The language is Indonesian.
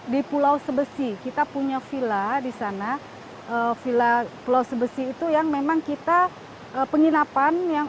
di pulau sebesi kita punya villa di sana villa pulau sebesi itu yang memang kita penginapan yang